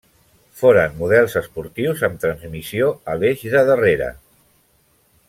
Foren models esportius amb transmissió a l'eix de darrere.